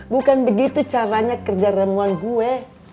bukan begitu caranya kerja ramuan gue